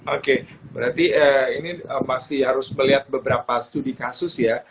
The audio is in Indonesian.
oke berarti ini masih harus melihat beberapa studi kasus ya